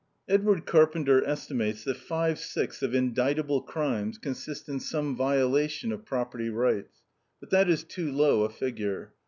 Edward Carpenter estimates that five sixths of indictable crimes consist in some violation of property rights; but that is too low a figure.